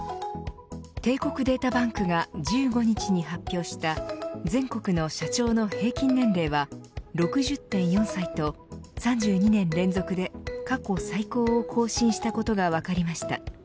帝国データバンクが１５日に発表した全国の社長の平均年齢は６０．４歳と３２年連続で過去最高を更新したことが分かりました。